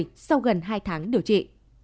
trong gần hai tháng điều trị